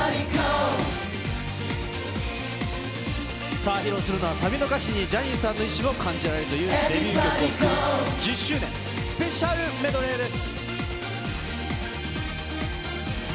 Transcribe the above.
さあ、披露するのはサビの歌詞にジャニーさんの意思も感じられるというデビュー曲を含む１０周年スペシャルメドレーです。